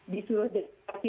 di seluruh desa